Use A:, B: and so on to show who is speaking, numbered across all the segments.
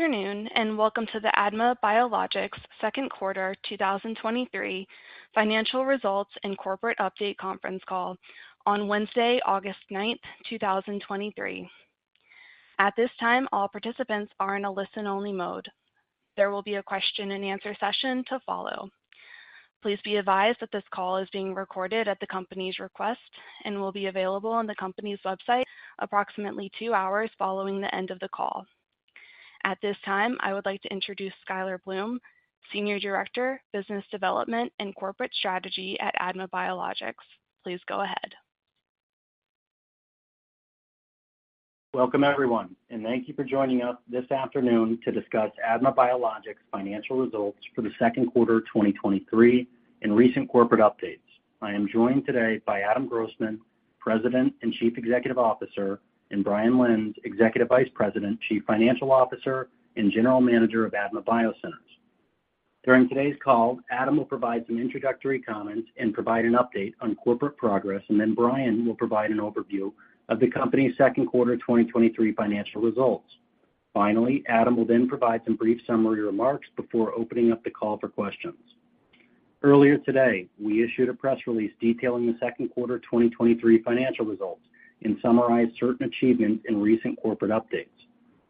A: Good afternoon, welcome to the ADMA Biologics 2nd quarter 2023 financial results and corporate update conference call on Wednesday, August 9, 2023. At this time, all participants are in a listen-only mode. There will be a question and answer session to follow. Please be advised that this call is being recorded at the company's request and will be available on the company's website approximately 2 hours following the end of the call. At this time, I would like to introduce Skyler Bloom, Senior Director, Business Development and Corporate Strategy at ADMA Biologics. Please go ahead.
B: Welcome, everyone, thank you for joining us this afternoon to discuss ADMA Biologics' financial results for the second quarter 2023 and recent corporate updates. I am joined today by Adam Grossman, President and Chief Executive Officer, Brian Lenz, Executive Vice President, Chief Financial Officer, and General Manager of ADMA BioCenters. During today's call, Adam will provide some introductory comments and provide an update on corporate progress, Brian will provide an overview of the company's second quarter 2023 financial results. Adam will then provide some brief summary remarks before opening up the call for questions. Earlier today, we issued a press release detailing the second quarter 2023 financial results and summarized certain achievements in recent corporate updates.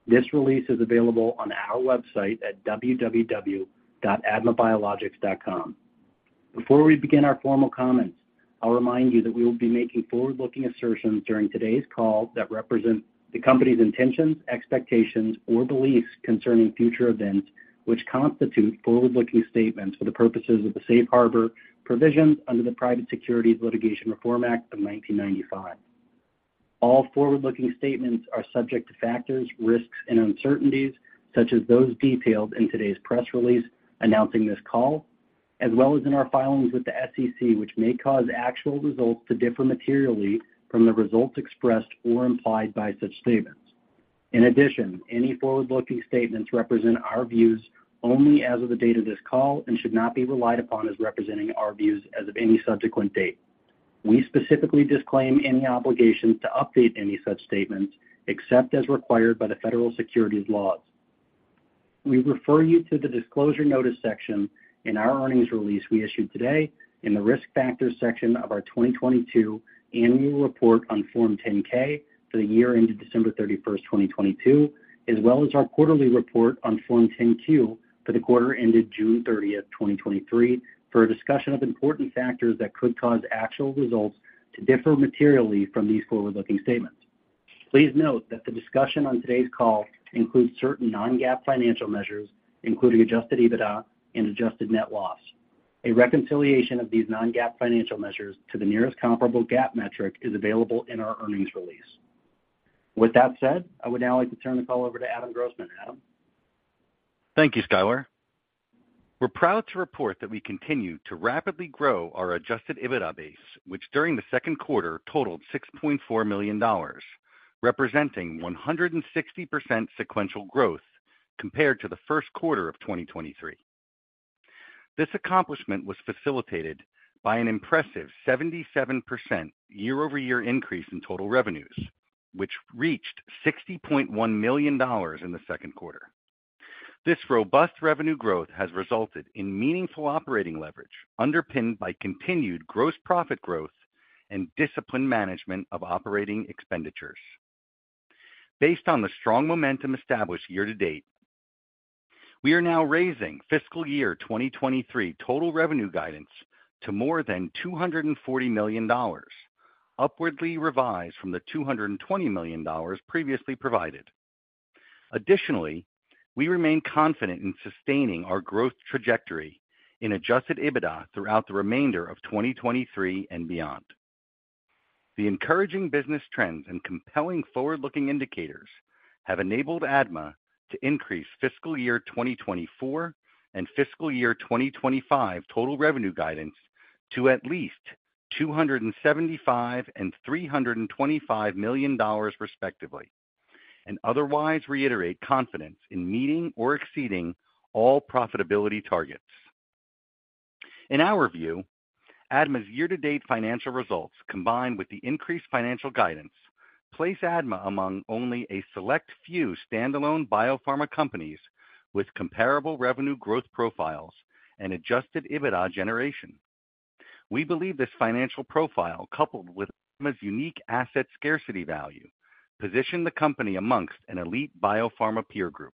B: This release is available on our website at www.admabiologics.com. Before we begin our formal comments, I'll remind you that we will be making forward-looking assertions during today's call that represent the company's intentions, expectations, or beliefs concerning future events, which constitute forward-looking statements for the purposes of the safe harbor provisions under the Private Securities Litigation Reform Act of 1995. All forward-looking statements are subject to factors, risks, and uncertainties, such as those detailed in today's press release announcing this call, as well as in our filings with the SEC, which may cause actual results to differ materially from the results expressed or implied by such statements. In addition, any forward-looking statements represent our views only as of the date of this call and should not be relied upon as representing our views as of any subsequent date. We specifically disclaim any obligations to update any such statements except as required by the federal securities laws. We refer you to the Disclosure Notice section in our earnings release we issued today in the Risk Factors section of our 2022 Annual Report on Form 10-K for the year ended December 31st, 2022, as well as our quarterly report on Form 10-Q for the quarter ended June 30th, 2023, for a discussion of important factors that could cause actual results to differ materially from these forward-looking statements. Please note that the discussion on today's call includes certain non-GAAP financial measures, including Adjusted EBITDA and adjusted net loss. A reconciliation of these non-GAAP financial measures to the nearest comparable GAAP metric is available in our earnings release. With that said, I would now like to turn the call over to Adam Grossman. Adam?
C: Thank you, Skyler. We're proud to report that we continue to rapidly grow our Adjusted EBITDA base, which during the second quarter totaled $6.4 million, representing 160% sequential growth compared to the first quarter of 2023. This accomplishment was facilitated by an impressive 77% year-over-year increase in total revenues, which reached $60.1 million in the second quarter. This robust revenue growth has resulted in meaningful operating leverage, underpinned by continued gross profit growth and disciplined management of operating expenditures. Based on the strong momentum established year to date, we are now raising fiscal year 2023 total revenue guidance to more than $240 million, upwardly revised from the $220 million previously provided. Additionally, we remain confident in sustaining our growth trajectory in Adjusted EBITDA throughout the remainder of 2023 and beyond. The encouraging business trends and compelling forward-looking indicators have enabled ADMA to increase fiscal year 2024 and fiscal year 2025 total revenue guidance to at least $275 million and $325 million, respectively, and otherwise reiterate confidence in meeting or exceeding all profitability targets. In our view, ADMA's year-to-date financial results, combined with the increased financial guidance, place ADMA among only a select few standalone biopharma companies with comparable revenue growth profiles and Adjusted EBITDA generation. We believe this financial profile, coupled with ADMA's unique asset scarcity value, position the company amongst an elite biopharma peer group.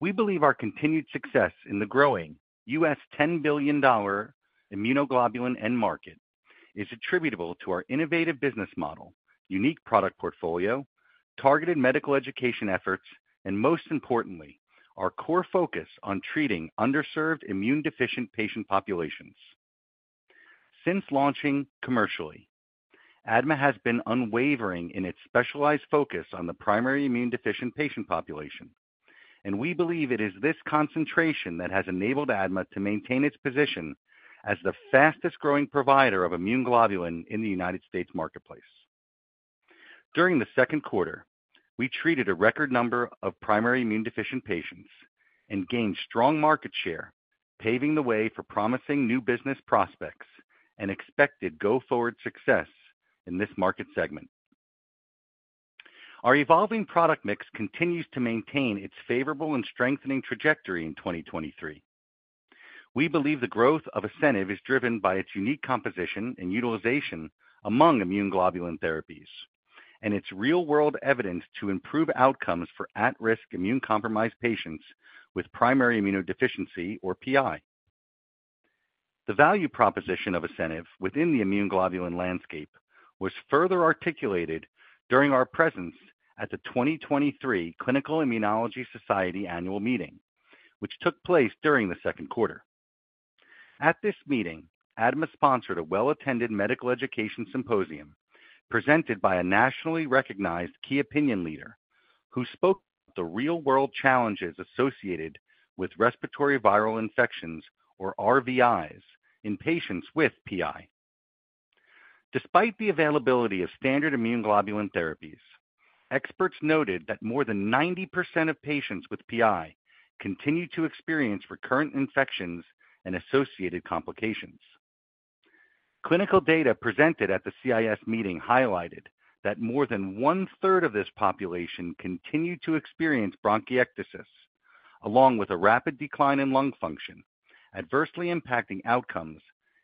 C: We believe our continued success in the growing US. $10 billion immunoglobulin end market is attributable to our innovative business model, unique product portfolio, targeted medical education efforts, and most importantly, our core focus on treating underserved immune deficient patient populations. Since launching commercially, ADMA has been unwavering in its specialized focus on the primary immune deficient patient population, and we believe it is this concentration that has enabled ADMA to maintain its position as the fastest-growing provider of immunoglobulin in the United States marketplace. During the second quarter, we treated a record number of primary immune deficient patients and gained strong market share, paving the way for promising new business prospects and expected go-forward success in this market segment. Our evolving product mix continues to maintain its favorable and strengthening trajectory in 2023. We believe the growth of ASCENIV is driven by its unique composition and utilization among immunoglobulin therapies, and its real-world evidence to improve outcomes for at risk immune-compromised patients with primary immunodeficiency, or PI. The value proposition of ASCENIV within the immune globulin landscape was further articulated during our presence at the 2023 Clinical Immunology Society Annual Meeting, which took place during the second quarter. At this meeting, ADMA sponsored a well-attended medical education symposium presented by a nationally recognized key opinion leader, who spoke about the real-world challenges associated with respiratory viral infections, or RVIs, in patients with PI. Despite the availability of standard immune globulin therapies, experts noted that more than 90% of patients with PI continue to experience recurrent infections and associated complications. Clinical data presented at the CIS meeting highlighted that more than one-third of this population continued to experience bronchiectasis, along with a rapid decline in lung function, adversely impacting outcomes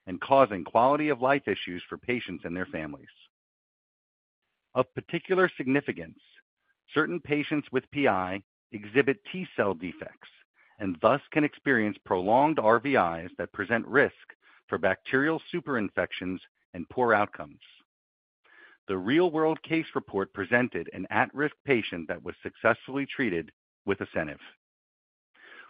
C: and causing quality-of-life issues for patients and their families. Of particular significance, certain patients with PI exhibit T cell defects and thus can experience prolonged RVIs that present risk for bacterial superinfections and poor outcomes. The real-world case report presented an at-risk patient that was successfully treated with ASCENIV.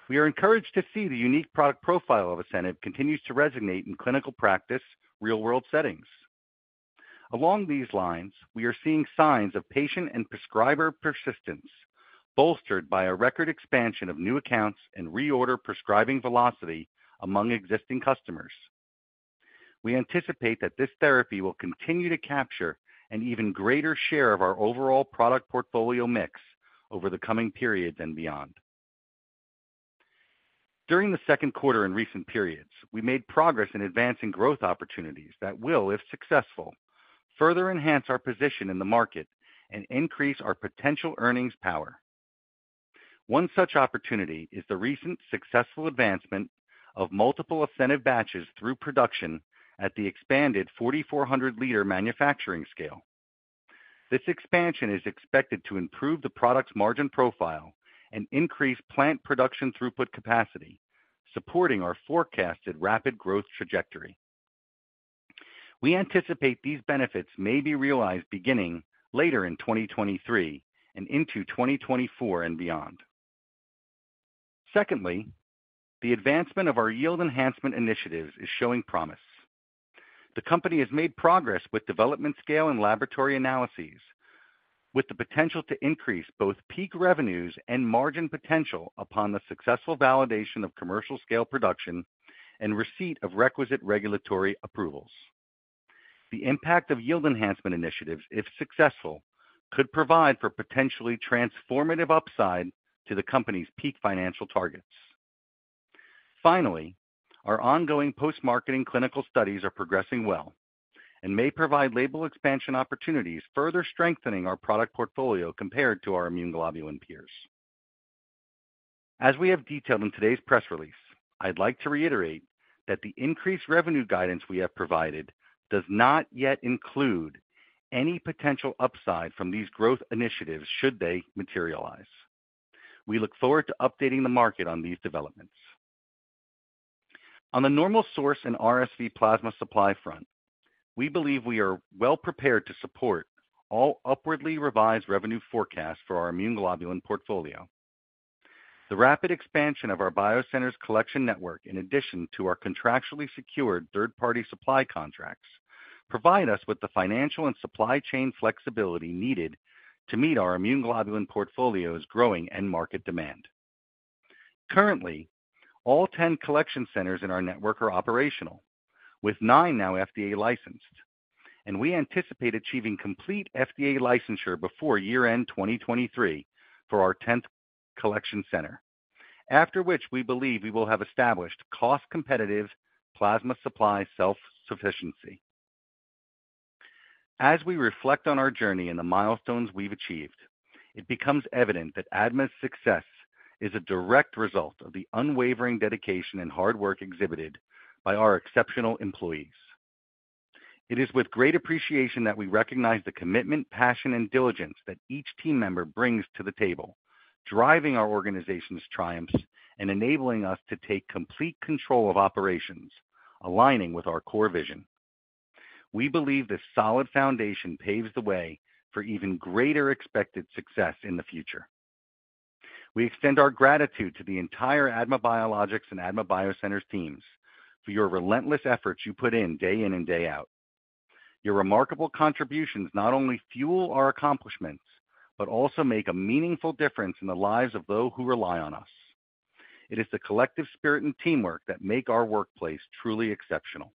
C: We are encouraged to see the unique product profile of ASCENIV continues to resonate in clinical practice, real-world settings. Along these lines, we are seeing signs of patient and prescriber persistence, bolstered by a record expansion of new accounts and reorder prescribing velocity among existing customers. We anticipate that this therapy will continue to capture an even greater share of our overall product portfolio mix over the coming periods and beyond. During the second quarter and recent periods, we made progress in advancing growth opportunities that will, if successful, further enhance our position in the market and increase our potential earnings power. One such opportunity is the recent successful advancement of multiple ASCENIV batches through production at the expanded 4,400-liter manufacturing scale. This expansion is expected to improve the product's margin profile and increase plant production throughput capacity, supporting our forecasted rapid growth trajectory. We anticipate these benefits may be realized beginning later in 2023 and into 2024 and beyond. Secondly, the advancement of our yield enhancement initiatives is showing promise. The company has made progress with development, scale, and laboratory analyses, with the potential to increase both peak revenues and margin potential upon the successful validation of commercial-scale production and receipt of requisite regulatory approvals. The impact of yield enhancement initiatives, if successful, could provide for potentially transformative upside to the company's peak financial targets. Finally, our ongoing post-marketing clinical studies are progressing well and may provide label expansion opportunities, further strengthening our product portfolio compared to our immunoglobulin peers. As we have detailed in today's press release, I'd like to reiterate that the increased revenue guidance we have provided does not yet include any potential upside from these growth initiatives should they materialize. We look forward to updating the market on these developments. On the normal source and RSV Plasma Supply front, we believe we are well prepared to support all upwardly revised revenue forecasts for our immunoglobulin portfolio. The rapid expansion of our BioCenters collection network, in addition to our contractually secured third-party supply contracts, provide us with the financial and supply chain flexibility needed to meet our immunoglobulin portfolio's growing end market demand. Currently, all 10 collection centers in our network are operational, with 9 now FDA licensed, and we anticipate achieving complete FDA licensure before year-end 2023 for our 10th collection center, after which we believe we will have established cost-competitive plasma supply self-sufficiency. As we reflect on our journey and the milestones we've achieved, it becomes evident that ADMA's success is a direct result of the unwavering dedication and hard work exhibited by our exceptional employees. It is with great appreciation that we recognize the commitment, passion, and diligence that each team member brings to the table, driving our organization's triumphs and enabling us to take complete control of operations, aligning with our core vision. We believe this solid foundation paves the way for even greater expected success in the future. We extend our gratitude to the entire ADMA Biologics and ADMA BioCenters teams for your relentless efforts you put in day in and day out. Your remarkable contributions not only fuel our accomplishments, but also make a meaningful difference in the lives of those who rely on us. It is the collective spirit and teamwork that make our workplace truly exceptional.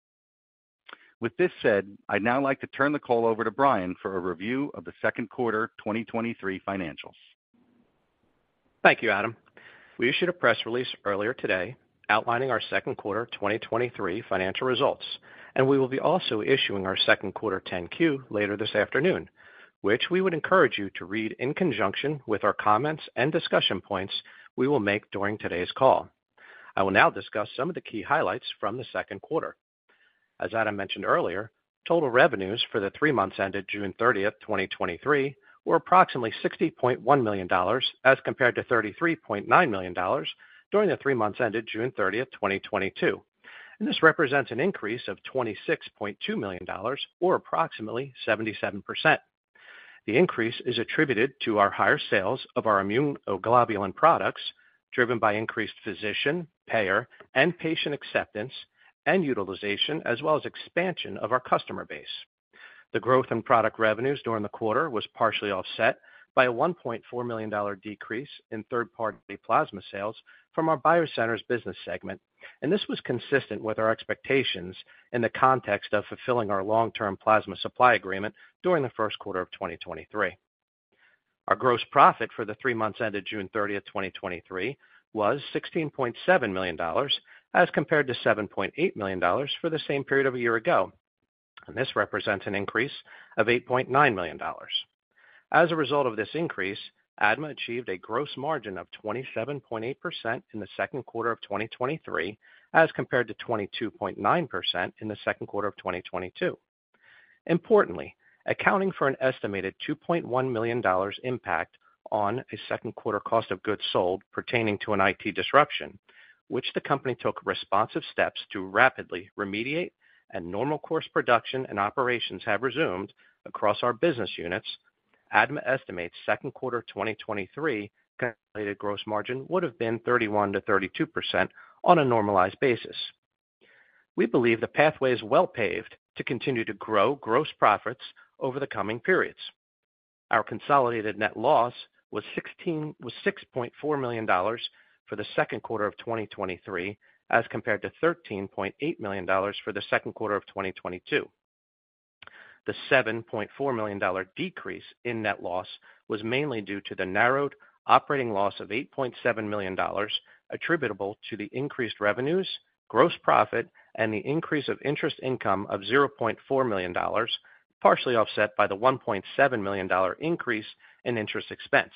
C: With this said, I'd now like to turn the call over to Brian for a review of the second quarter 2023 financials.
D: Thank you, Adam. We issued a press release earlier today outlining our second quarter 2023 financial results. We will be also issuing our second quarter 10-Q later this afternoon, which we would encourage you to read in conjunction with our comments and discussion points we will make during today's call. I will now discuss some of the key highlights from the second quarter. As Adam mentioned earlier, total revenues for the three months ended June 30th, 2023, were approximately $60.1 million, as compared to $33.9 million during the three months ended June 30th, 2022. This represents an increase of $26.2 million, or approximately 77%. The increase is attributed to our higher sales of our immunoglobulin products, driven by increased physician, payer, and patient acceptance and utilization, as well as expansion of our customer base. The growth in product revenues during the quarter was partially offset by a $1.4 million decrease in third-party plasma sales from our ADMA BioCenters business segment. This was consistent with our expectations in the context of fulfilling our long-term plasma supply agreement during the first quarter of 2023. Our gross profit for the three months ended June 30, 2023, was $16.7 million, as compared to $7.8 million for the same period of a year ago. This represents an increase of $8.9 million. As a result of this increase, ADMA achieved a gross margin of 27.8% in the s econd quarter of 2023, as compared to 22.9% in the second quarter of 2022. Importantly, accounting for an estimated $2.1 million impact on a second quarter cost of goods sold pertaining to an IT disruption, which the company took responsive steps to rapidly remediate and normal course production and operations have resumed across our business units. ADMA estimates second quarter 2023 calculated gross margin would have been 31%-32% on a normalized basis. We believe the pathway is well paved to continue to grow gross profits over the coming periods. Our consolidated net loss was $6.4 million for the second quarter of 2023, as compared to $13.8 million for the second quarter of 2022. The $7.4 million decrease in net loss was mainly due to the narrowed operating loss of $8.7 million, attributable to the increased revenues, gross profit, and the increase of interest income of $0.4 million, partially offset by the $1.7 million increase in interest expense.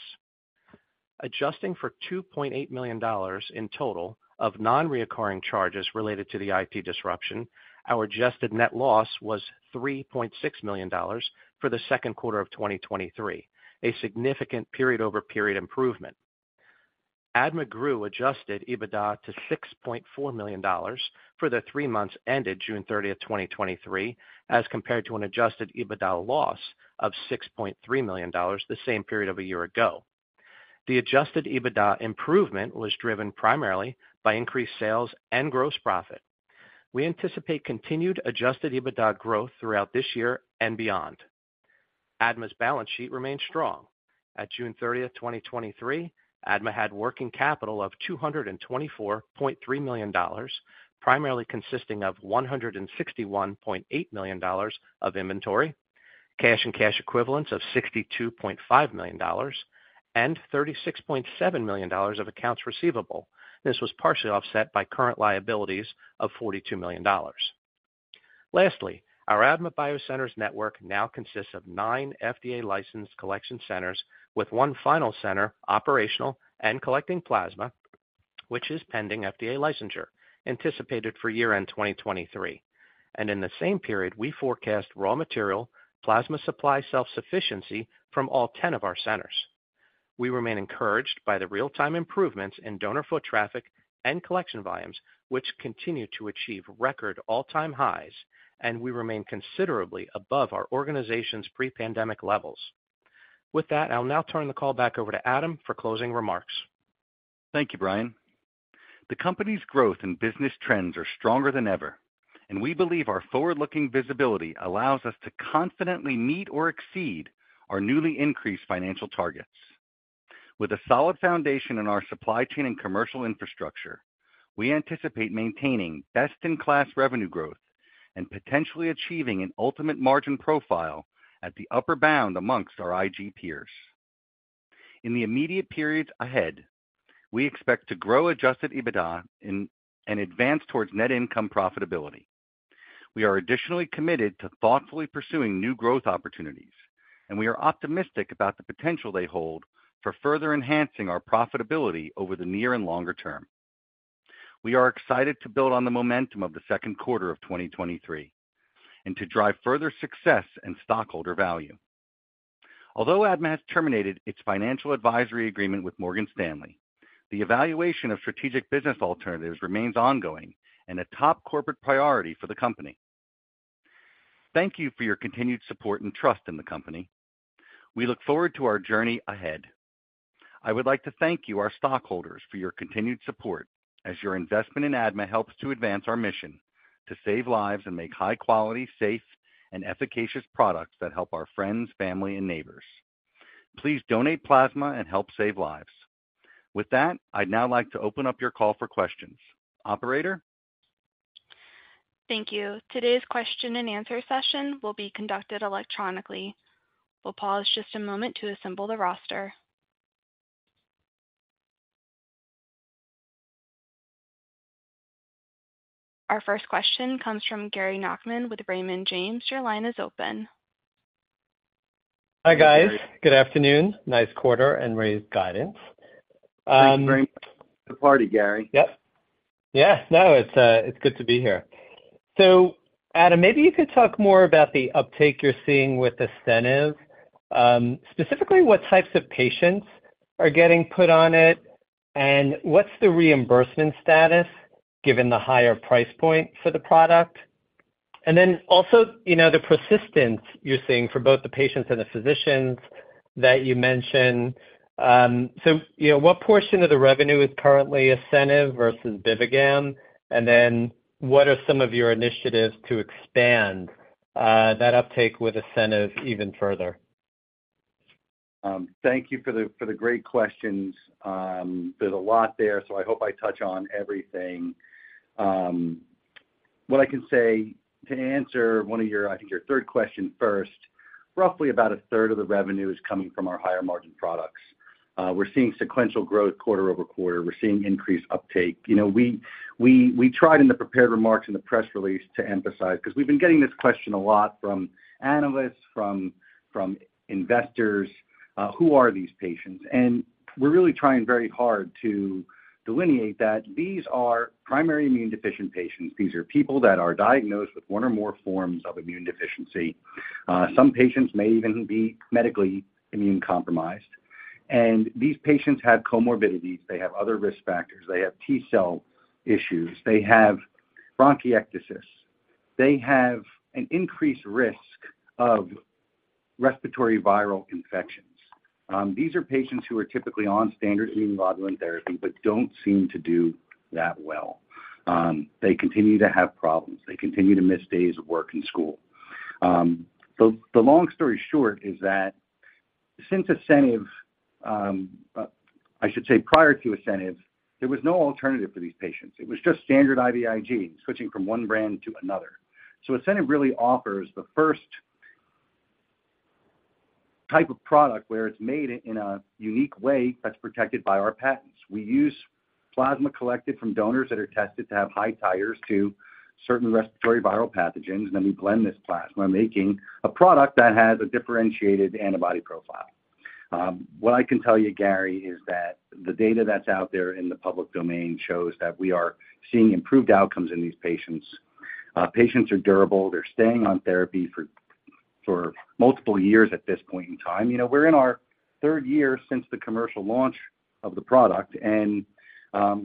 D: Adjusting for $2.8 million in total of non-recurring charges related to the IT disruption, our Adjusted net loss was $3.6 million for the second quarter of 2023, a significant period-over-period improvement. ADMA grew Adjusted EBITDA to $6.4 million for the three months ended June 30th, 2023, as compared to an Adjusted EBITDA loss of $6.3 million the same period of a year ago. The Adjusted EBITDA improvement was driven primarily by increased sales and gross profit. We anticipate continued Adjusted EBITDA growth throughout this year and beyond. ADMA's balance sheet remains strong. At June thirtieth, 2023, ADMA had working capital of $224.3 million, primarily consisting of $161.8 million of inventory, cash and cash equivalents of $62.5 million, and $36.7 million of accounts receivable. This was partially offset by current liabilities of $42 million. Our ADMA BioCenters network now consists of 9 FDA-licensed collection centers, with one final center operational and collecting plasma, which is pending FDA licensure, anticipated for year-end 2023. In the same period, we forecast raw material, plasma supply self-sufficiency from all 10 of our centers. We remain encouraged by the real-time improvements in donor foot traffic and collection volumes, which continue to achieve record all-time highs, and we remain considerably above our organization's pre-pandemic levels. With that, I'll now turn the call back over to Adam for closing remarks.
C: Thank you, Brian. The company's growth and business trends are stronger than ever. We believe our forward-looking visibility allows us to confidently meet or exceed our newly increased financial targets. With a solid foundation in our supply chain and commercial infrastructure, we anticipate maintaining best in class revenue growth and potentially achieving an ultimate margin profile at the upper bound amongst our IG peers. In the immediate periods ahead, we expect to grow Adjusted EBITDA and advance towards net income profitability. We are additionally committed to thoughtfully pursuing new growth opportunities. We are optimistic about the potential they hold for further enhancing our profitability over the near and longer term. We are excited to build on the momentum of the second quarter of 2023 and to drive further success and stockholder value. Although ADMA has terminated its financial advisory agreement with Morgan Stanley, the evaluation of strategic business alternatives remains ongoing and a top corporate priority for the company. Thank you for your continued support and trust in the company. We look forward to our journey ahead. I would like to thank you, our stockholders, for your continued support as your investment in ADMA helps to advance our mission to save lives and make high quality, safe, and efficacious products that help our friends, family, and neighbors.... Please donate plasma and help save lives. With that, I'd now like to open up your call for questions. Operator?
A: Thank you. Today's question and answer session will be conducted electronically. We'll pause just a moment to assemble the roster. Our first question comes from Gary Nachman with Raymond James. Your line is open.
E: Hi, guys. Good afternoon. Nice quarter and raised guidance.
C: Thanks for the party, Gary.
E: Yep. Yes, no, it's good to be here. Adam, maybe you could talk more about the uptake you're seeing with ASCENIV, specifically, what types of patients are getting put on it, and what's the reimbursement status, given the higher price point for the product? Also, you know, the persistence you're seeing for both the patients and the physicians that you mentioned. You know, what portion of the revenue is currently ASCENIV versus BIVIGAM? What are some of your initiatives to expand that uptake with ASCENIV even further?
C: Thank you for the, for the great questions. There's a lot there, so I hope I touch on everything. What I can say, to answer one of your, I think, your third question first, roughly about a third of the revenue is coming from our higher margin products. We're seeing sequential growth quarter-over-quarter. We're seeing increased uptake. You know, we, we, we tried in the prepared remarks in the press release to emphasize, because we've been getting this question a lot from analysts, from, from investors, who are these patients? We're really trying very hard to delineate that these are primary immune deficient patients. These are people that are diagnosed with one or more forms of immune deficiency. Some patients may even be medically immune compromised, and these patients have comorbidities, they have other risk factors, they have T cell issues, they have bronchiectasis. They have an increased risk of respiratory viral infections. These are patients who are typically on standard immune globulin therapy but don't seem to do that well. They continue to have problems, they continue to miss days of work and school. The, the long story short is that since ASCENIV, I should say, prior to ASCENIV, there was no alternative for these patients. It was just standard IVIG, switching from one brand to another. ASCENIV really offers the first type of product where it's made in a unique way that's protected by our patents. We use plasma collected from donors that are tested to have high titers to certain respiratory viral pathogens, and then we blend this plasma, making a product that has a differentiated antibody profile. What I can tell you, Gary, is that the data that's out there in the public domain shows that we are seeing improved outcomes in these patients. Patients are durable. They're staying on therapy for, for multiple years at this point in time. You know, we're in our third year since the commercial launch of the product, and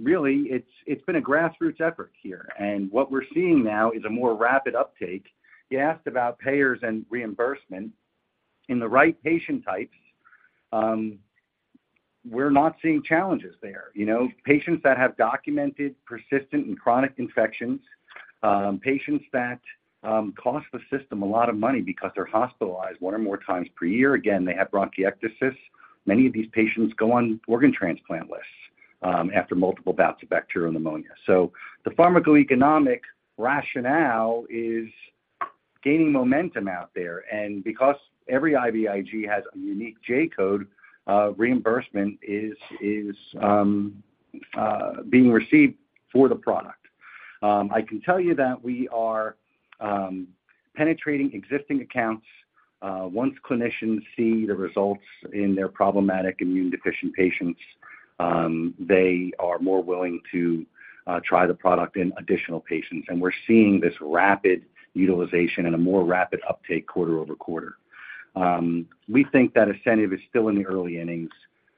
C: really, it's, it's been a grassroots effort here. What we're seeing now is a more rapid uptake. You asked about payers and reimbursement. In the right patient types, we're not seeing challenges there. You know, patients that have documented persistent and chronic infections, patients that cost the system a lot of money because they're hospitalized one or more times per year. Again, they have bronchiectasis. Many of these patients go on organ transplant lists after multiple bouts of bacterial pneumonia. The pharmacoeconomic rationale is gaining momentum out there, and because every IVIG has a unique J code, reimbursement is being received for the product. I can tell you that we are penetrating existing accounts. Once clinicians see the results in their problematic immune deficient patients, they are more willing to try the product in additional patients. We're seeing this rapid utilization and a more rapid uptake quarter-over-quarter. We think that ASCENIV is still in the early innings.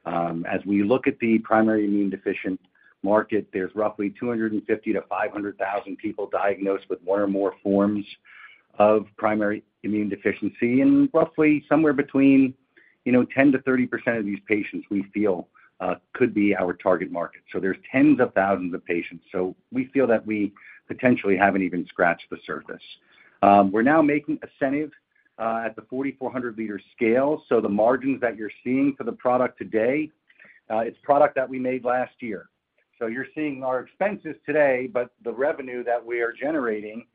C: As we look at the primary immunodeficiency market, there's roughly 250,000-500,000 people diagnosed with one or more forms of primary immunodeficiency, and roughly somewhere between 10%-30% of these patients, we feel, could be our target market. There's tens of thousands of patients. We feel that we potentially haven't even scratched the surface. We're now making ASCENIV at the 4,400-liter scale. The margins that you're seeing for the product today, it's product that we made last year. You're seeing our expenses today, but the revenue that we are generating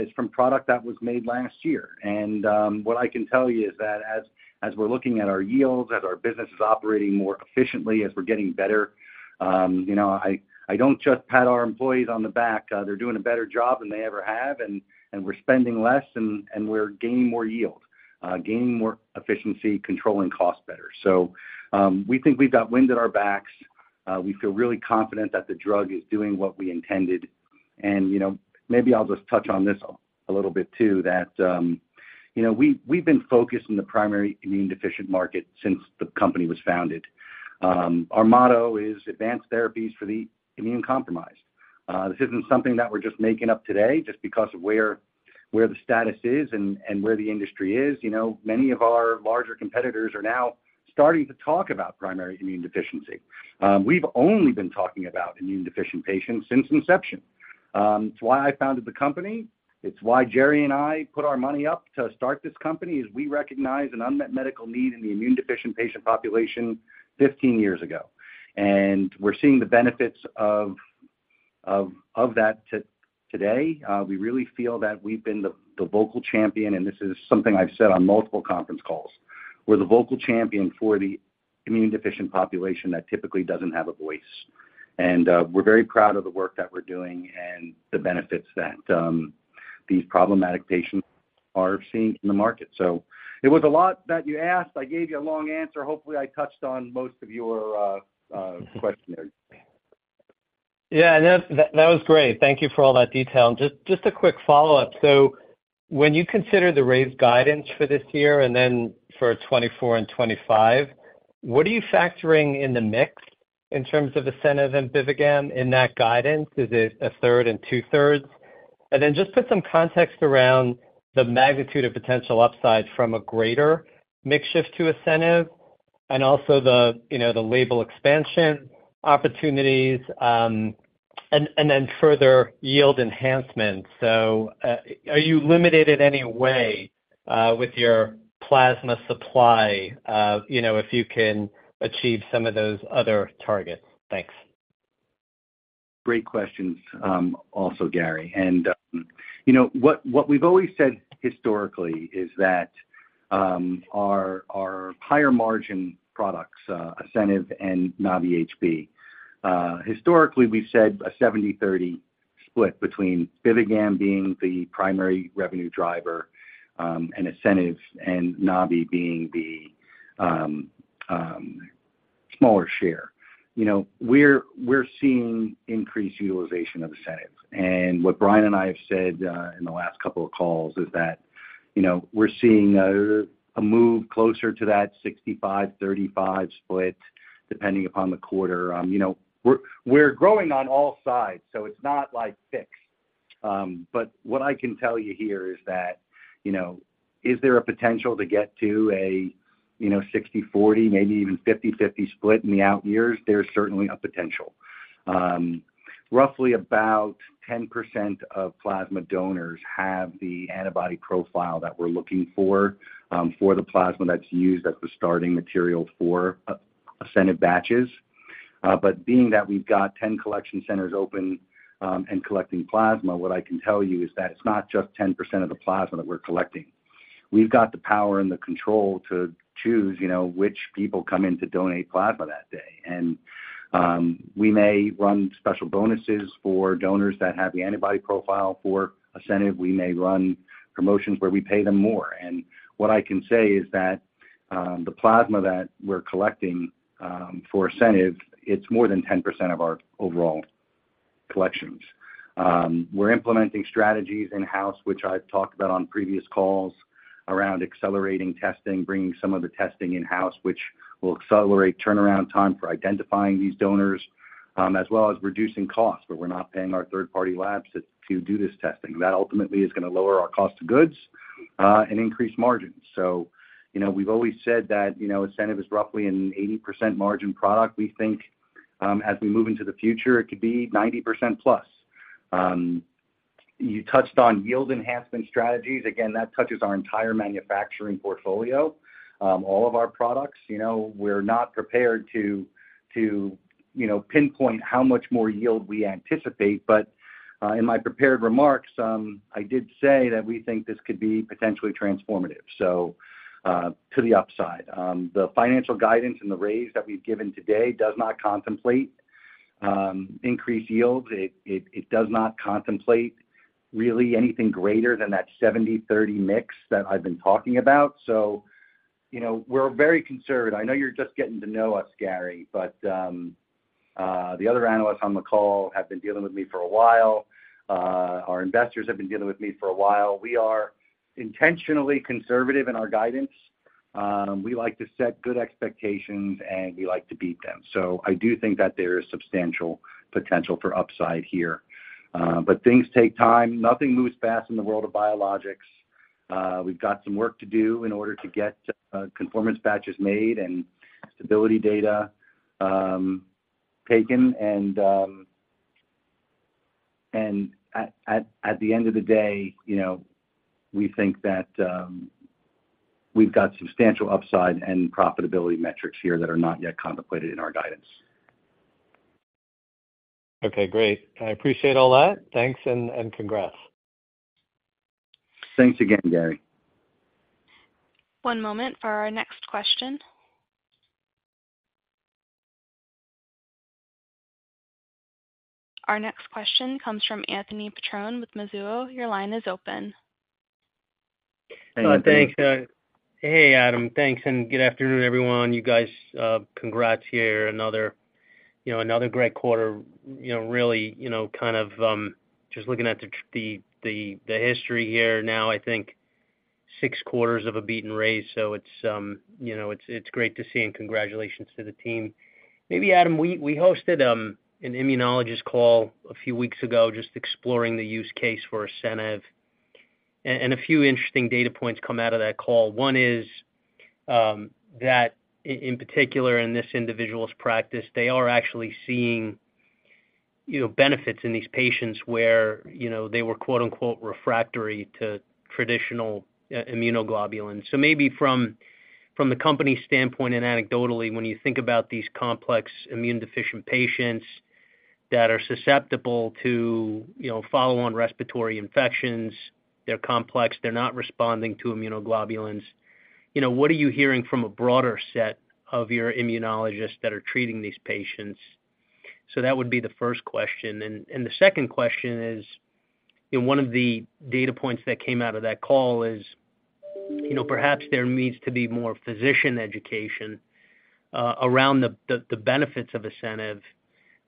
C: is from product that was made last year. What I can tell you is that as, as we're looking at our yields, as our business is operating more efficiently, as we're getting better, you know, I, I don't just pat our employees on the back. They're doing a better job than they ever have, and, and we're spending less, and, and we're gaining more yield, gaining more efficiency, controlling costs better. We think we've got wind at our backs. We feel really confident that the drug is doing what we intended. You know, maybe I'll just touch on this a little bit too, that, you know, we, we've been focused in the primary immune deficient market since the company was founded. Our motto is advanced therapies for the immune compromised. This isn't something that we're just making up today just because of where, where the status is and, and where the industry is. You know, many of our larger competitors are now starting to talk about primary immunodeficiency. We've only been talking about immunodeficient patients since inception. It's why I founded the company. It's why Jerry and I put our money up to start this company, is we recognized an unmet medical need in the immunodeficient patient population 15 years ago. We're seeing the benefits of, of, of that today. We really feel that we've been the, the vocal champion, and this is something I've said on multiple conference calls. We're the vocal champion for the immunodeficient population that typically doesn't have a voice. We're very proud of the work that we're doing and the benefits that these problematic patients are seeing in the market. It was a lot that you asked. I gave you a long answer. Hopefully, I touched on most of your questionnaires.
E: Yeah, and that, that was great. Thank you for all that detail. Just, just a quick follow-up. When you consider the raised guidance for this year and then for 2024 and 2025, what are you factoring in the mix in terms of ASCENIV and BIVIGAM in that guidance? Is it a third and two-thirds? Then just put some context around the magnitude of potential upside from a greater mix shift to ASCENIV and also the, you know, the label expansion opportunities, and then further yield enhancements. Are you limited in any way with your plasma supply, you know, if you can achieve some of those other targets? Thanks.
C: Great questions, also, Gary. You know, what, what we've always said historically is that our, our higher margin products, ASCENIV and Nabi-HB, historically, we've said a 70/30 split between BIVIGAM being the primary revenue driver, and ASCENIV and Nabi being the smaller share. You know, we're, we're seeing increased utilization of ASCENIV. What Brian and I have said in the last couple of calls is that, you know, we're seeing a, a move closer to that 65/35 split, depending upon the quarter. You know, we're, we're growing on all sides, so it's not like fixed. But what I can tell you here is that, you know, is there a potential to get to a, you know, 60/40, maybe even 50/50 split in the out years? There's certainly a potential. Roughly about 10% of plasma donors have the antibody profile that we're looking for, for the plasma that's used as the starting material for Asceniv batches. Being that we've got 10 collection centers open and collecting plasma, what I can tell you is that it's not just 10% of the plasma that we're collecting. We've got the power and the control to choose, you know, which people come in to donate plasma that day. We may run special bonuses for donors that have the antibody profile for Asceniv. We may run promotions where we pay them more. What I can say is that the plasma that we're collecting for Asceniv, it's more than 10% of our overall collections. We're implementing strategies in-house, which I've talked about on previous calls around accelerating testing, bringing some of the testing in-house, which will accelerate turnaround time for identifying these donors, as well as reducing costs, where we're not paying our third-party labs to, to do this testing. That ultimately is gonna lower our cost of goods and increase margins. You know, we've always said that, you know, ASCENIV is roughly an 80% margin product. We think, as we move into the future, it could be 90% plus. You touched on yield enhancement strategies. Again, that touches our entire manufacturing portfolio, all of our products. You know, we're not prepared to, to, you know, pinpoint how much more yield we anticipate, but in my prepared remarks, I did say that we think this could be potentially transformative, so to the upside. The financial guidance and the raise that we've given today does not contemplate increased yields. It, it, it does not contemplate really anything greater than that 70/30 mix that I've been talking about. You know, we're very concerned. I know you're just getting to know us, Gary, but the other analysts on the call have been dealing with me for a while. Our investors have been dealing with me for a while. We are intentionally conservative in our guidance. We like to set good expectations, and we like to beat them. I do think that there is substantial potential for upside here. Things take time. Nothing moves fast in the world of biologics. We've got some work to do in order to get conformance batches made and stability data taken. At the end of the day, you know, we think that we've got substantial upside and profitability metrics here that are not yet contemplated in our guidance.
E: Okay, great. I appreciate all that. Thanks, and congrats.
C: Thanks again, Gary.
A: One moment for our next question. Our next question comes from Anthony Petrone with Mizuho. Your line is open.
F: Thanks. Hey, Adam. Thanks, and good afternoon, everyone. You guys, congrats here. Another, you know, another great quarter. You know, really, you know, kind of, just looking at the history here now, I think six quarters of a beat and raise, so it's, you know, it's, it's great to see, and congratulations to the team. Maybe, Adam, we, we hosted an immunologist call a few weeks ago just exploring the use case for ASCENIV... A few interesting data points come out of that call. One is, that in particular, in this individual's practice, they are actually seeing, you know, benefits in these patients where, you know, they were, quote, unquote, refractory to traditional immunoglobulins. Maybe from, from the company's standpoint, and anecdotally, when you think about these complex immunodeficient patients that are susceptible to, you know, follow-on respiratory infections, they're complex, they're not responding to immunoglobulins, you know, what are you hearing from a broader set of your immunologists that are treating these patients? That would be the first question. The second question is, you know, one of the data points that came out of that call is, you know, perhaps there needs to be more physician education, around the, the, the benefits of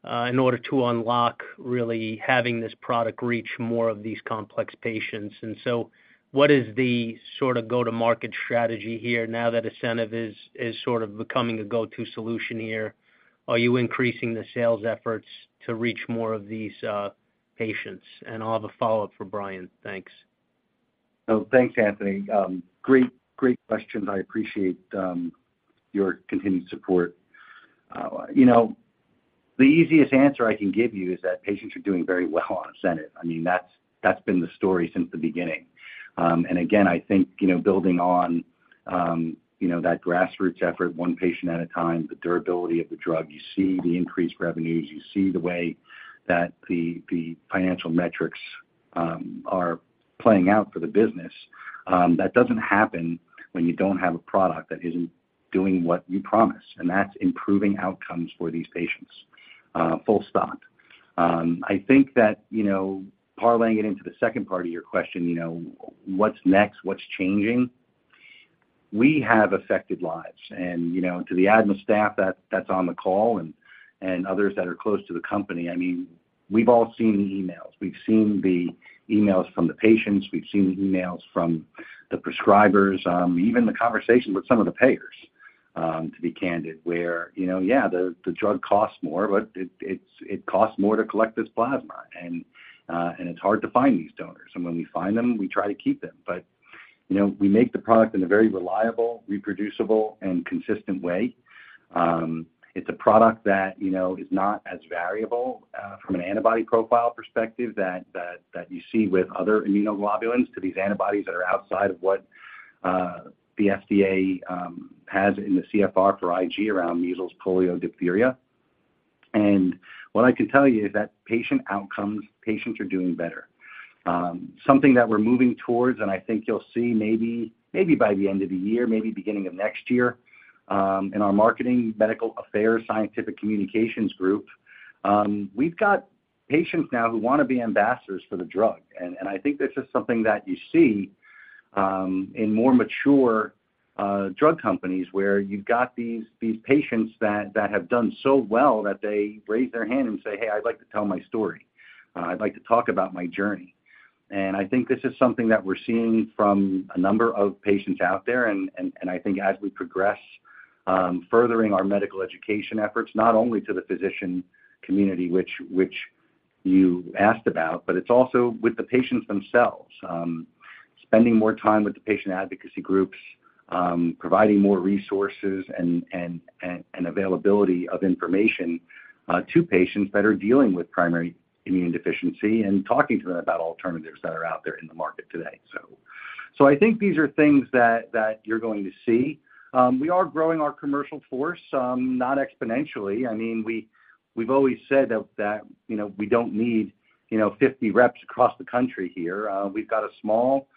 F: ASCENIV, in order to unlock, really, having this product reach more of these complex patients. What is the sort of go-to-market strategy here now that ASCENIV is, is sort of becoming a go-to solution here? Are you increasing the sales efforts to reach more of these patients? I'll have a follow-up for Brian. Thanks.
C: Oh, thanks, Anthony. Great, great questions. I appreciate your continued support. You know, the easiest answer I can give you is that patients are doing very well on ASCENIV. I mean, that's, that's been the story since the beginning. Again, I think, you know, building on, you know, that grassroots effort, one patient at a time, the durability of the drug, you see the increased revenues, you see the way that the, the financial metrics are playing out for the business. That doesn't happen when you don't have a product that isn't doing what you promise, and that's improving outcomes for these patients. Full stop. I think that, you know, parlaying it into the second part of your question, you know, what's next? What's changing? We have affected lives, and, you know, to the ADMA staff that, that's on the call and, and others that are close to the company, I mean, we've all seen the emails. We've seen the emails from the patients, we've seen the emails from the prescribers, even the conversations with some of the payers, to be candid, where, you know, yeah, the, the drug costs more, but it costs more to collect this plasma, and it's hard to find these donors. When we find them, we try to keep them. You know, we make the product in a very reliable, reproducible, and consistent way. It's a product that, you know, is not as variable from an antibody profile perspective that, that, that you see with other immunoglobulins to these antibodies that are outside of what the FDA has in the CFR for IG around measles, polio, diphtheria. What I can tell you is that patient outcomes, patients are doing better. Something that we're moving towards, and I think you'll see maybe, maybe by the end of the year, maybe beginning of next year, in our marketing, medical affairs, scientific communications group, we've got patients now who want to be ambassadors for the drug, and I think this is something that you see in more mature drug companies, where you've got these, these patients that, that have done so well that they raise their hand and say, "Hey, I'd like to tell my story. I'd like to talk about my journey. I think this is something that we're seeing from a number of patients out there, and, and, and I think as we progress, furthering our medical education efforts, not only to the physician community, which, which you asked about, but it's also with the patients themselves. Spending more time with the patient advocacy groups, providing more resources and, and, and, and availability of information, to patients that are dealing with primary immunodeficiency and talking to them about alternatives that are out there in the market today. I think these are things that, that you're going to see. We are growing our commercial force, not exponentially. I mean, we, we've always said that, that, you know, we don't need, you know, 50 reps across the country here. We've got a small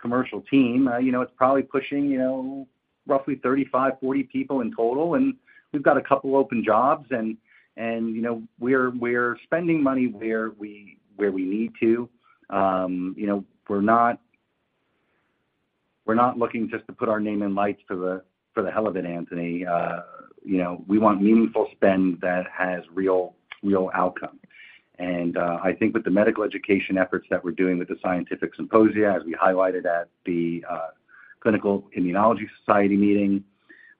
C: commercial team. You know, it's probably pushing, you know, roughly 35, 40 people in total, and we've got a couple open jobs, and, and, you know, we're, we're spending money where we, where we need to. You know, we're not, we're not looking just to put our name in lights for the hell of it, Anthony. And I think with the medical education efforts that we're doing with the scientific symposia, as we highlighted at the Clinical Immunology Society meeting,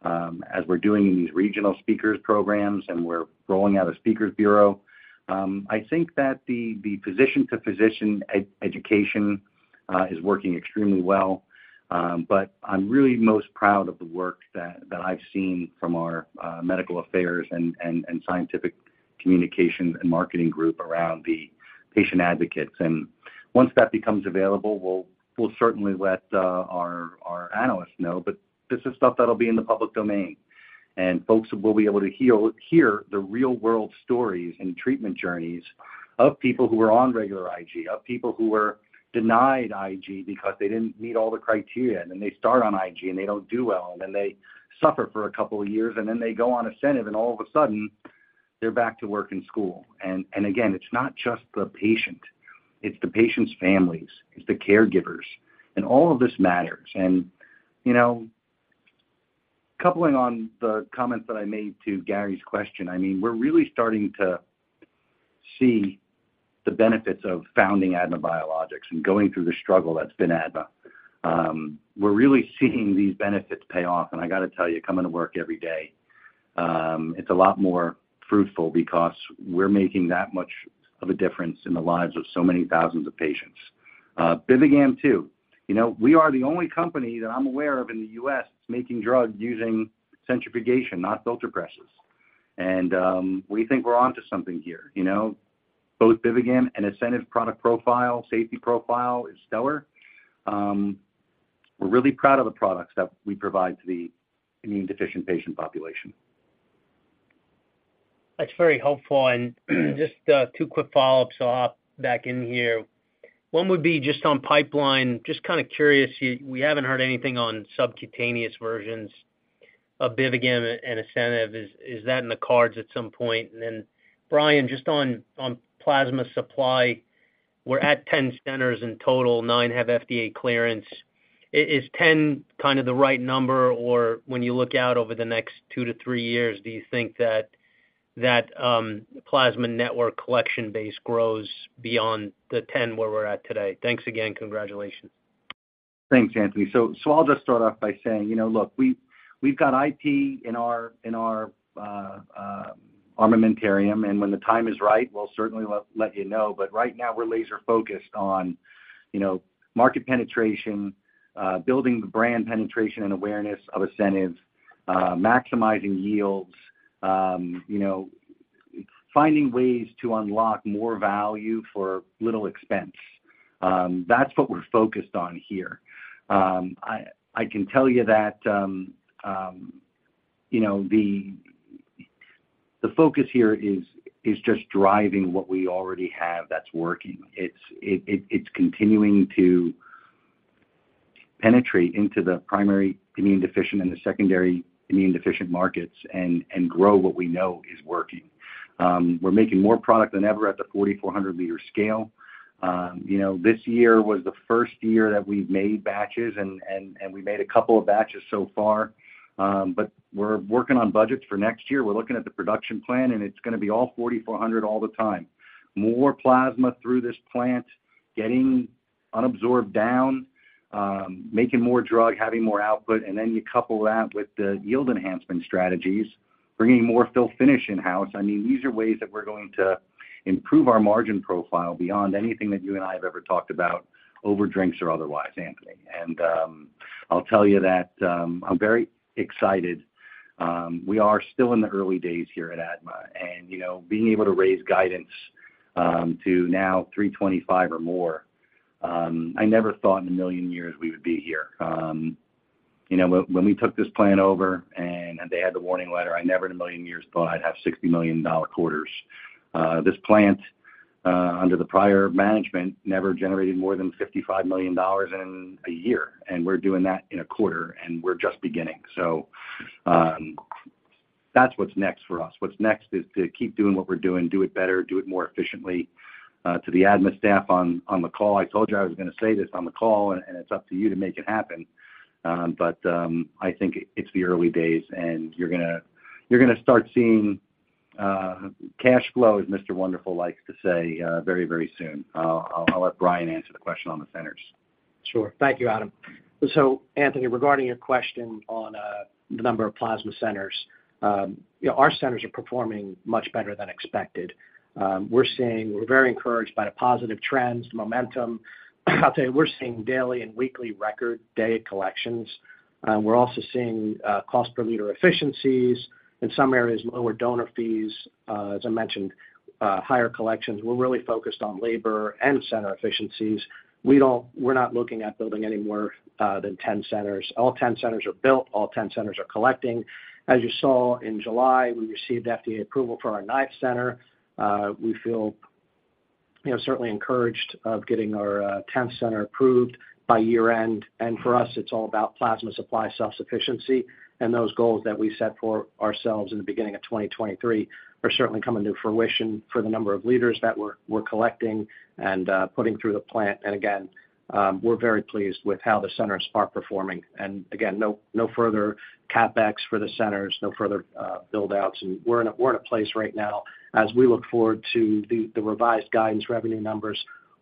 C: as we're doing in these regional speakers programs, and we're rolling out a speakers bureau, I think that the physician-to-physician education is working extremely well. I'm really most proud of the work that, that I've seen from our medical affairs and scientific communications and marketing group around the patient advocates. Once that becomes available, we'll, we'll certainly let our analysts know. This is stuff that'll be in the public domain, and folks will be able to hear the real-world stories and treatment journeys of people who are on regular IG, of people who were denied IG because they didn't meet all the criteria, and then they start on IG, and they don't do well, and then they suffer for a couple of years, and then they go on ASCENIV, and all of a sudden, they're back to work and school. Again, it's not just the patient, it's the patient's families, it's the caregivers, and all of this matters. You know, coupling on the comments that I made to Gary's question, I mean, we're really starting to see the benefits of founding ADMA Biologics and going through the struggle that's been ADMA. We're really seeing these benefits pay off, and I got to tell you, coming to work every day. It's a lot more fruitful because we're making that much of a difference in the lives of so many thousands of patients. BIVIGAM too, you know, we are the only company that I'm aware of in the U.S. that's making drugs using centrifugation, not filter presses. We think we're onto something here, you know? Both BIVIGAM and ASCENIV product profile, safety profile is stellar. We're really proud of the products that we provide to the immune deficient patient population.
F: That's very helpful. Just 2 quick follow-ups, so I'll hop back in here. One would be just on pipeline. Just kind of curious, we haven't heard anything on subcutaneous versions of BIVIGAM and ASCENIV. Is that in the cards at some point? Then, Brian, just on plasma supply, we're at 10 centers in total, 9 have FDA clearance. Is 10 kind of the right number? When you look out over the next 2 to 3 years, do you think that, that plasma network collection base grows beyond the 10 where we're at today? Thanks again. Congratulations.
C: Thanks, Anthony. I'll just start off by saying, you know, look, we've got IT in our, in our armamentarium, and when the time is right, we'll certainly let, let you know. Right now, we're laser focused on, you know, market penetration, building the brand penetration and awareness of ASCENIV, maximizing yields, you know, finding ways to unlock more value for little expense. That's what we're focused on here. I, I can tell you that, you know, the, the focus here is, is just driving what we already have that's working. It's, it, it's continuing to penetrate into the primary immune deficient and the secondary immune deficient markets and, and grow what we know is working. We're making more product than ever at the 4,400-liter scale. You know, this year was the first year that we've made batches, and we made a couple of batches so far. We're working on budgets for next year. We're looking at the production plan, it's gonna be all 4,400-liter all the time. More plasma through this plant, getting unabsorbed down, making more drug, having more output, and then you couple that with the yield enhancement strategies, bringing more fill finish in-house. I mean, these are ways that we're going to improve our margin profile beyond anything that you and I have ever talked about over drinks or otherwise, Anthony. I'll tell you that I'm very excited. We are still in the early days here at ADMA, and, you know, being able to raise guidance to now 325 or more, I never thought in a million years we would be here. You know, when, when we took this plant over and they had the warning letter, I never in a million years thought I'd have $60 million quarters. This plant, under the prior management, never generated more than $55 million in a year, and we're doing that in a quarter, and we're just beginning. That's what's next for us. What's next is to keep doing what we're doing, do it better, do it more efficiently. To the ADMA staff on, on the call, I told you I was gonna say this on the call, and, and it's up to you to make it happen. I think it's the early days, and you're gonna, you're gonna start seeing cash flow, as Mr. Wonderful likes to say, very, very soon. I'll, I'll, I'll let Brian answer the question on the centers.
D: Sure. Thank you, Adam. Anthony, regarding your question on the number of plasma centers, you know, our centers are performing much better than expected. We're very encouraged by the positive trends, momentum. I'll tell you, we're seeing daily and weekly record day collections. We're also seeing cost per liter efficiencies, in some areas, lower donor fees, as I mentioned, higher collections. We're really focused on labor and center efficiencies. We're not looking at building any more than 10 centers. All 10 centers are built, all 10 centers are collecting. As you saw in July, we received FDA approval for our ninth center. We feel, you know, certainly encouraged of getting our 10th center approved by year-end. For us, it's all about plasma supply self-sufficiency, and those goals that we set for ourselves in the beginning of 2023 are certainly coming to fruition for the number of liters that we're collecting and putting through the plant. Again, we're very pleased with how the centers are performing. Again, no further CapEx for the centers, no further buildouts. We're in a place right now as we look forward to the revised guidance revenue numbers,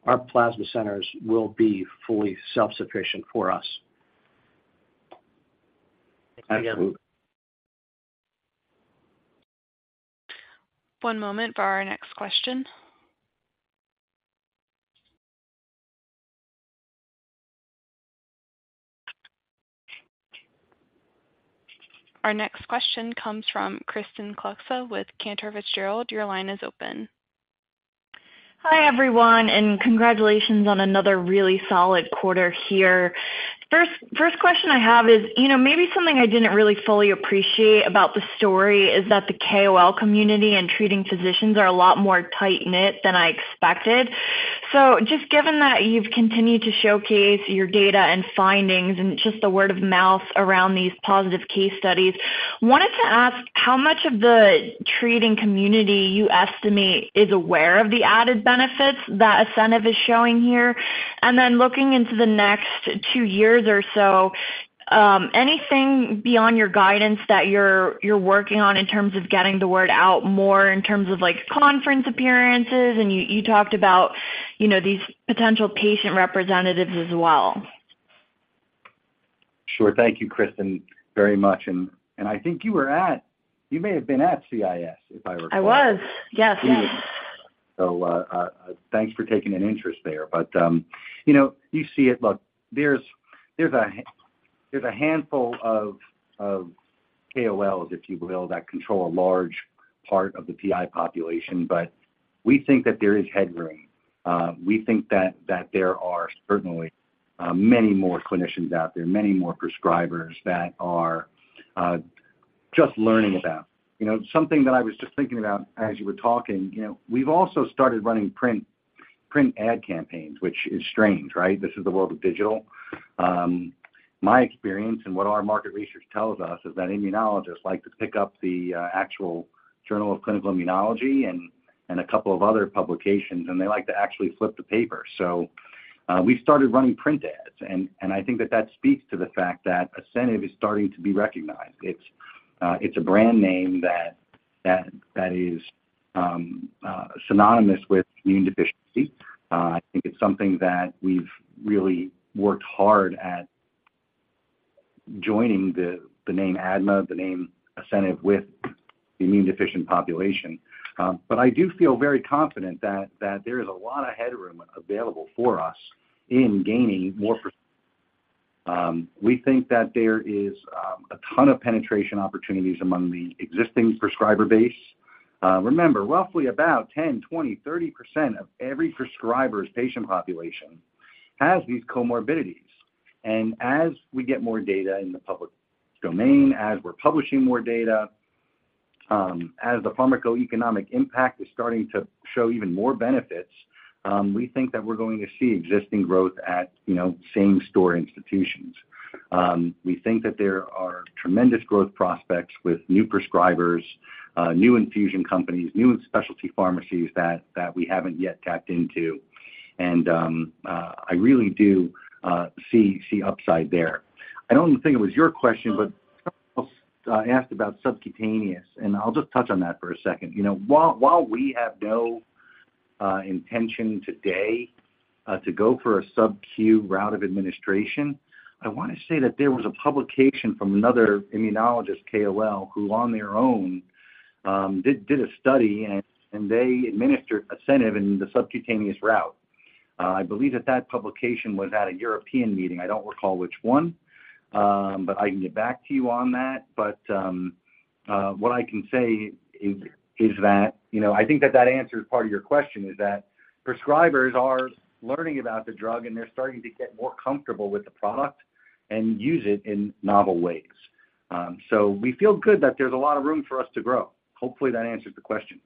D: our plasma centers will be fully self-sufficient for us.
F: Thank you.
D: Absolutely.
A: One moment for our next question. Our next question comes from Kristen Kluska with Cantor Fitzgerald. Your line is open.
G: Hi, everyone. Congratulations on another really solid quarter here. First, first question I have is, you know, maybe something I didn't really fully appreciate about the story is that the KOL community and treating physicians are a lot more tight-knit than I expected. Just given that you've continued to showcase your data and findings and just the word of mouth around these positive case studies, wanted to ask how much of the treating community you estimate is aware of the added benefits that ASCENIV is showing here? Then looking into the next two years or so, anything beyond your guidance that you're working on in terms of getting the word out more in terms of, like, conference appearances? You talked about, you know, these potential patient representatives as well.
C: Sure. Thank you, Kristen, very much. I think you were at, you may have been at CIS, if I recall.
G: I was, yes. Yes.
C: Thanks for taking an interest there. You know, you see it. Look, there's a handful of KOLs, if you will, that control a large part of the PI population, but we think that there is headroom. We think that there are certainly many more clinicians out there, many more prescribers that are just learning about. You know, something that I was just thinking about as you were talking, you know, we've also started running print, print ad campaigns, which is strange, right? This is the world of digital. My experience and what our market research tells us is that immunologists like to pick up the actual Journal of Clinical Immunology and a couple of other publications, and they like to actually flip the paper. We started running print ads, and, and I think that that speaks to the fact that ASCENIV is starting to be recognized. It's, it's a brand name that, that, that is synonymous with immune deficiency. I think it's something that we've really worked hard at joining the, the name ADMA, the name ASCENIV, with the immune-deficient population. I do feel very confident that, that there is a lot of headroom available for us in gaining more. We think that there is a ton of penetration opportunities among the existing prescriber base. Remember, roughly about 10%, 20%, 30% of every prescriber's patient population has these comorbidities. As we get more data in the public domain, as we're publishing more data, as the pharmacoeconomic impact is starting to show even more benefits, we think that we're going to see existing growth at, you know, same-store institutions. We think that there are tremendous growth prospects with new prescribers, new infusion companies, new specialty pharmacies that, that we haven't yet tapped into, and I really do see, see upside there. I don't think it was your question, but someone else asked about subcutaneous, and I'll just touch on that for a second. You know, while, while we have no intention today to go for a Sub-Q route of administration, I wanna say that there was a publication from another immunologist KOL, who on their own did, did a study, and, and they administered ASCENIV in the subcutaneous route. I believe that that publication was at a European meeting. I don't recall which one, but I can get back to you on that. What I can say is, is that, you know, I think that that answers part of your question, is that prescribers are learning about the drug, and they're starting to get more comfortable with the product and use it in novel ways. So we feel good that there's a lot of room for us to grow. Hopefully, that answers the question.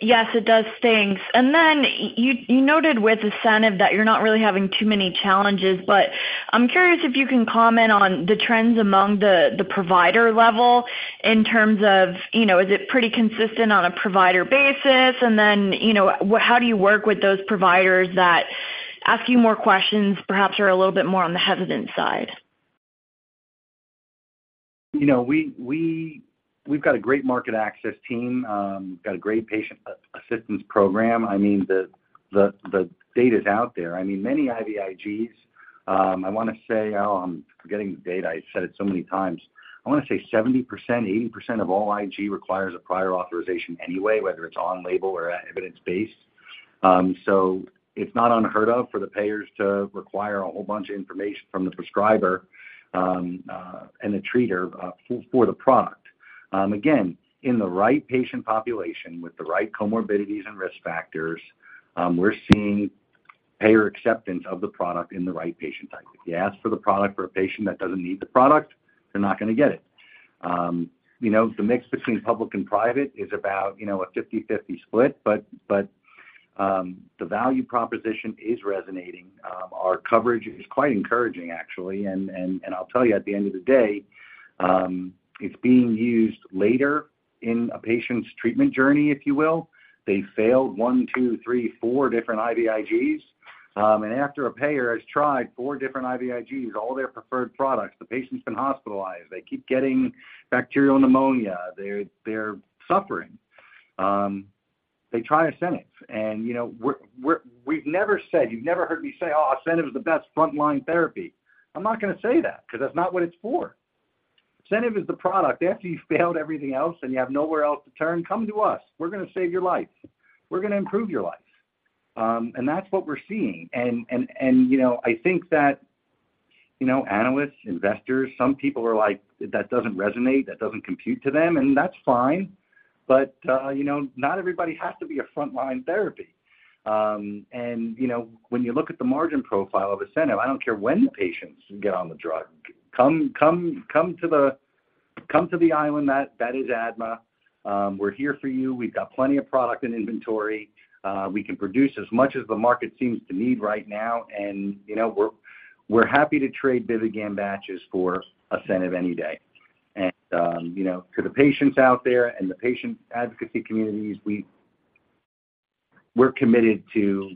G: Yes, it does. Thanks. Then you, you noted with ASCENIV that you're not really having too many challenges, but I'm curious if you can comment on the trends among the, the provider level in terms of, you know, is it pretty consistent on a provider basis? Then, you know, how do you work with those providers that ask you more questions, perhaps are a little bit more on the hesitant side?
C: You know, we, we. We've got a great market access team, got a great patient assistance program. I mean, the, the, the data's out there. I mean, many IVIGs, I wanna say, oh, I'm forgetting the data, I said it so many times. I wanna say 70%, 80% of all IG requires a prior authorization anyway, whether it's on label or evidence-based. So it's not unheard of for the payers to require a whole bunch of information from the prescriber, and the treater, for the product. Again, in the right patient population, with the right comorbidities and risk factors, we're seeing payer acceptance of the product in the right patient type. If you ask for the product for a patient that doesn't need the product, they're not gonna get it. You know, the mix between public and private is about, you know, a 50/50 split, but, but, the value proposition is resonating. Our coverage is quite encouraging, actually, and, and, and I'll tell you, at the end of the day, it's being used later in a patient's treatment journey, if you will. They failed 1, 2, 3, 4 different IVIGs, and after a payer has tried 4 different IVIGs, all their preferred products, the patient's been hospitalized. They keep getting bacterial pneumonia. They're suffering. They try ASCENIV. You know, we've never said, you've never heard me say, "Oh, ASCENIV is the best frontline therapy." I'm not gonna say that, 'cause that's not what it's for. ASCENIV is the product. After you've failed everything else and you have nowhere else to turn, come to us. We're gonna save your life. We're gonna improve your life. That's what we're seeing. You know, I think that, you know, analysts, investors, some people are like, that doesn't resonate, that doesn't compute to them, and that's fine, but, you know, not everybody has to be a frontline therapy. You know, when you look at the margin profile of ASCENIV, I don't care when the patients get on the drug. Come, come, come to the, come to the island that, that is ADMA. We're here for you. We've got plenty of product and inventory. We can produce as much as the market seems to need right now. You know, we're, we're happy to trade BIVIGAM batches for ASCENIV any day. You know, to the patients out there and the patient advocacy communities, we, we're committed to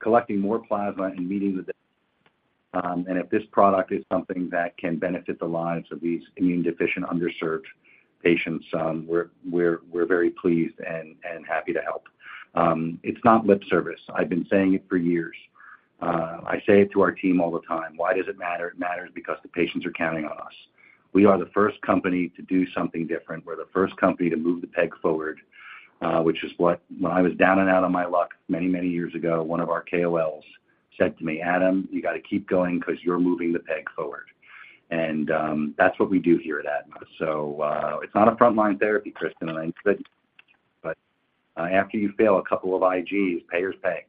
C: collecting more plasma and meeting with them. If this product is something that can benefit the lives of these immune-deficient, underserved patients, we're, we're, we're very pleased and, and happy to help. It's not lip service. I've been saying it for years. I say it to our team all the time. Why does it matter? It matters because the patients are counting on us. We are the first company to do something different. We're the first company to move the peg forward, which is what... When I was down and out on my luck many, many years ago, one of our KOLs said to me, "Adam, you gotta keep going because you're moving the peg forward." That's what we do here at ADMA. It's not a frontline therapy, Kristen, but, after you fail 2 IGs, payers pay.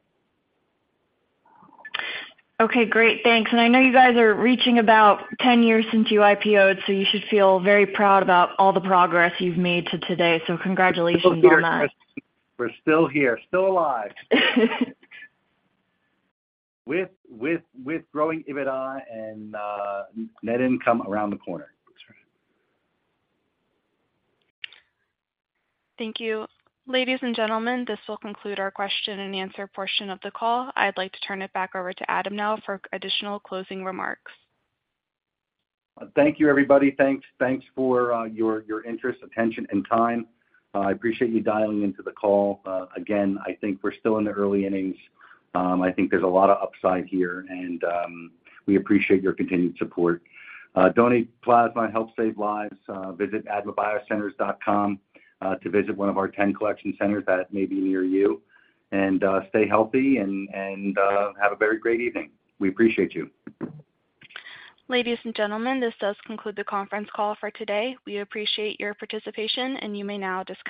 G: Okay, great. Thanks. I know you guys are reaching about 10 years since you IPO'd, so you should feel very proud about all the progress you've made to today. Congratulations on that.
C: We're still here. Still alive. With growing EBITDA and net income around the corner.
A: Thank you. Ladies and gentlemen, this will conclude our question and answer portion of the call. I'd like to turn it back over to Adam now for additional closing remarks.
C: Thank you, everybody. Thanks, thanks for your, your interest, attention, and time. I appreciate you dialing into the call. Again, I think we're still in the early innings. I think there's a lot of upside here, and we appreciate your continued support. Donate plasma and help save lives. Visit admabiocenters.com to visit one of our 10 collection centers that may be near you. Stay healthy and have a very great evening. We appreciate you.
A: Ladies and gentlemen, this does conclude the conference call for today. We appreciate your participation, and you may now disconnect.